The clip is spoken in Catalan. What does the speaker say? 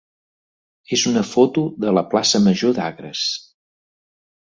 és una foto de la plaça major d'Agres.